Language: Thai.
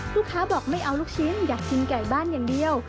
ลูกค้าบอกไม่เอาลูกชิ้นอยากกินไก่บ้านอย่างเดียว